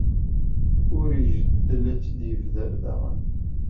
Ur ijeddel ad tt-id-yebder daɣen.